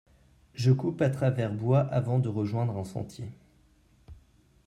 Je coupe à travers bois avant de rejoindre un sentier.